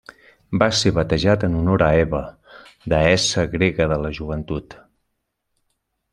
Va ser batejat en honor a Hebe, deessa grega de la joventut.